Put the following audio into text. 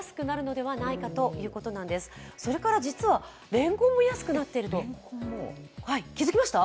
レンコンも安くなっていると気づきました？